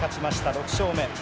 ６勝目。